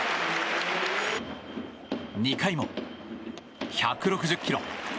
２回も１６０ｋｍ。